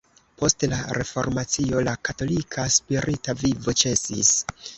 Post la Reformacio la katolika spirita vivo ĉesis.